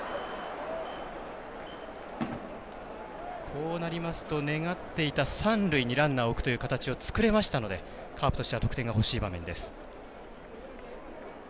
こうなりますと願っていた三塁にランナーを置くという形を作れましたのでカープとしては得点が欲しい場面です。